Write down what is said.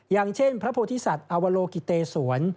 อย่างเช่นพระโพธิสัตว์อวโลกิเตสวน